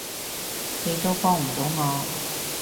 你都幫唔到我